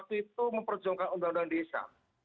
waktu itu memperjuangkan undang undang desa